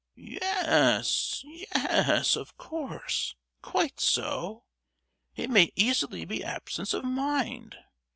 "Yes—yes—of course, quite so; it may easily be absence of mind!"